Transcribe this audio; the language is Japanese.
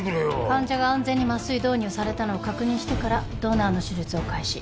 患者が安全に麻酔導入されたのを確認してからドナーの手術を開始。